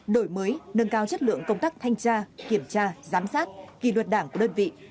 đổi mới nâng cao chất lượng công tác thanh tra kiểm tra giám sát kỳ luật đảng của đơn vị